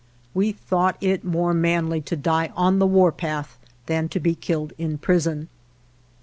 We thought it more manly to die on the warpath than to be killed in prison.